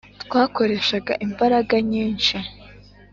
twakoreshaga imbaraga nyinshi